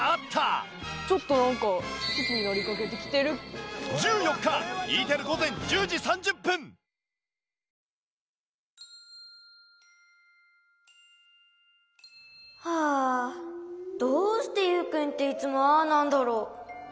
こころのこえあどうしてユウくんっていつもああなんだろう。